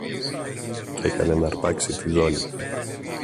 Κι έκανε ν' αρπάξει τη ζώνη.